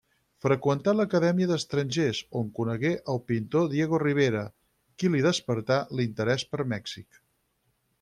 Freqüentà l'Acadèmia d'Estrangers, on conegué el pintor Diego Rivera, qui li despertà l’interès per Mèxic.